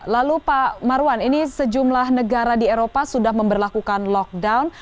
lalu pak marwan ini sejumlah negara di eropa sudah memperlakukan lockdown